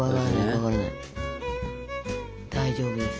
大丈夫です。